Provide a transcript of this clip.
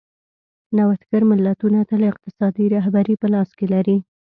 نوښتګر ملتونه تل اقتصادي رهبري په لاس کې لري.